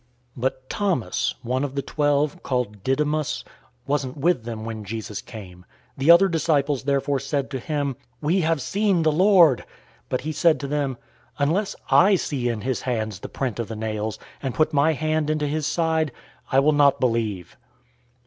020:024 But Thomas, one of the twelve, called Didymus, wasn't with them when Jesus came. 020:025 The other disciples therefore said to him, "We have seen the Lord!" But he said to them, "Unless I see in his hands the print of the nails, and put my hand into his side, I will not believe."